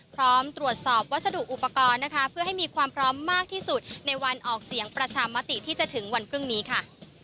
พร้อมตรวจสอบวัสดุอุปกรณ์นะคะเพื่อให้มีความพร้อมมากที่สุดในวันออกเสียงประชามติที่จะถึงวันพรุ่งนี้ค่ะ